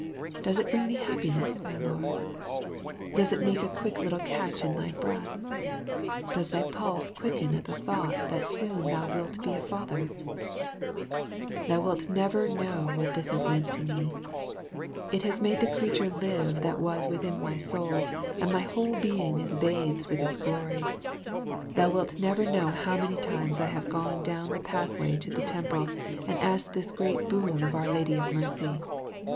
Does it bring thee happiness, my lord? Does it make a quick little catch in thy breath? Does thy pulse quicken at the thought that soon thou wilt be a father? [Illustration: Mylady12.] Thou wilt never know what this has meant to me. It has made the creature live that was within my soul, and my whole being is bathed with its glory. Thou wilt never know how many times I have gone down the pathway to the temple and asked this great boon of our Lady of Mercy.